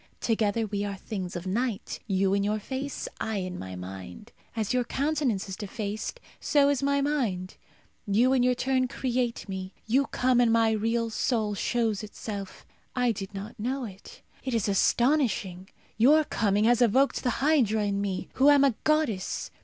Together we are things of night you in your face, I in my mind. As your countenance is defaced, so is my mind. You, in your turn, create me. You come, and my real soul shows itself. I did not know it. It is astonishing. Your coming has evoked the hydra in me, who am a goddess.